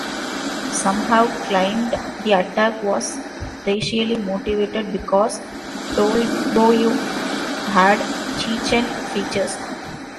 Some have claimed the attack was racially motivated because Tolboev had Chechen features.